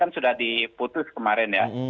kan sudah diputus kemarin ya